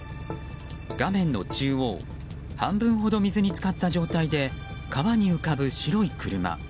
画面の中央半分ほど水に浸かった状態で川に浮かぶ白い車。